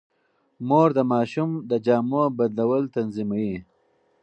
مور د ماشوم د جامو بدلول تنظيموي.